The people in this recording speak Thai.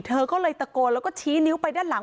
เธอก็เลยตะโกนแล้วก็ชี้นิ้วไปด้านหลัง